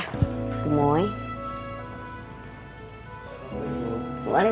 nanti lagi bu bu ya